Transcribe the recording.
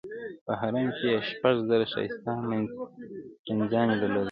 په حرم کې یې شپږ زره ښایسته مینځیاني درلودې.